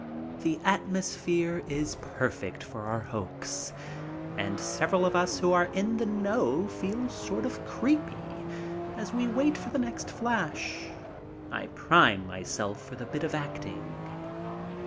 The atmosphere is perfect for our hoax and several of us who are "in the know" feel sort of creepy as we wait for the next flash. I prime myself for the bit of acting.